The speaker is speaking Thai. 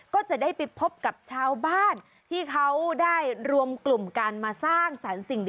ก็จะได้ไปพบกับชาวบ้านที่เขาได้รวมกลุ่มการมาสร้างสรรค์สิ่งดี